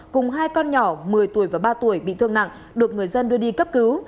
cùng hai con nhỏ một mươi tuổi và ba tuổi bị thương nặng được người dân đưa đi cấp cứu